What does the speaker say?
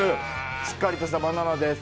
しっかりとしたバナナです。